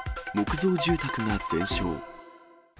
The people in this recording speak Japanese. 木造住宅が全焼。